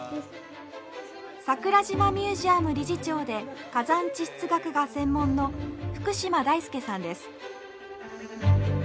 桜島ミュージアム理事長で火山地質学が専門の福島大輔さんです。